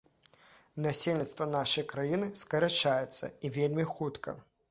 Насельніцтва нашай краіны скарачаецца, і вельмі хутка.